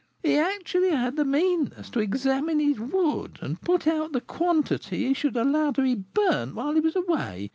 He actually had the meanness to examine his wood and put out the quantity he should allow to be burnt while he was away.